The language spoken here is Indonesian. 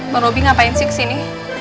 bang robby ngapain sih kesini